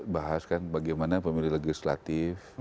bahas kan bagaimana pemilih legislatif